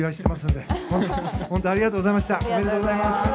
おめでとうございます。